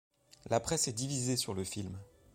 La presse est divisée sur le film.